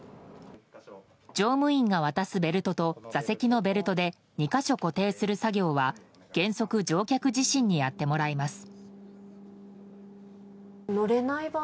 乗務員が渡すベルトと座席のベルトで２か所固定する作業は原則、乗客自身にやってもらいます。